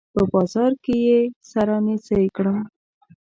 په بازار کې يې سره نيڅۍ کړم